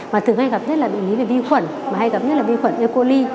mà thường hay gặp rất là bệnh lý về vi khuẩn hay gặp rất là vi khuẩn như cô ly